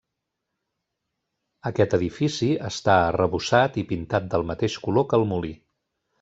Aquest edifici està arrebossat i pintat del mateix color que el molí.